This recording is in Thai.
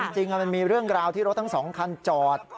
จริงมันมีเรื่องราวที่รถทั้ง๒คันจอด